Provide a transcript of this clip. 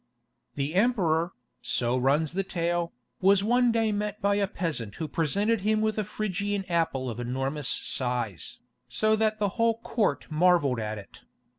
"The emperor," so runs the tale, "was one day met by a peasant who presented him with a Phrygian apple of enormous size, so that the whole Court marvelled at it.